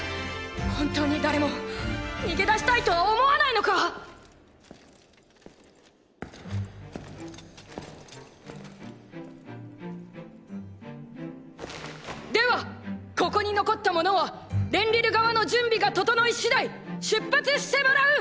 本当に誰も逃げ出したいとは思わないのか⁉ではここに残った者はレンリル側の準備が整い次第出発してもらう！